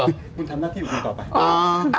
คุณทำหน้าที่แบบต่อไป